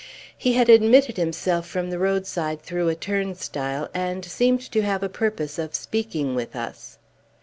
He had admitted himself from the roadside through a turnstile, and seemed to have a purpose of speaking with us.